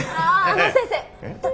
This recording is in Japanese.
あの先生。